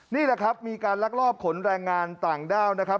นี่แหละครับมีการลักลอบขนแรงงานต่างด้าวนะครับ